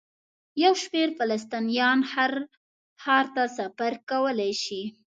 یو شمېر فلسطینیان هر ښار ته سفر کولی شي.